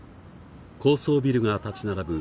高層ビルが立ち並ぶ